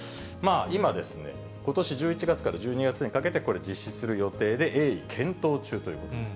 今、ことし１１月から１２月にかけて、これ、実施する予定で、鋭意、検討中ということです。